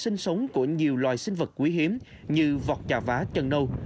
sinh sống của nhiều loài sinh vật quý hiếm như vọt trà vá chân nâu